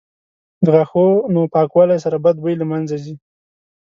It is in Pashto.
• د غاښونو پاکوالي سره بد بوی له منځه ځي.